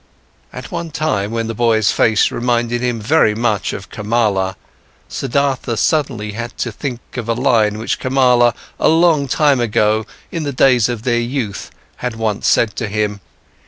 At one time, when the boy's face reminded him very much of Kamala, Siddhartha suddenly had to think of a line which Kamala a long time ago, in the days of their youth, had once said to him.